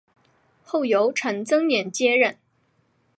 后由陈增稔接任。